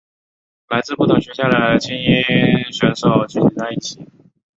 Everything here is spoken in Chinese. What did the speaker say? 来自不同学校的菁英选手聚集在一起。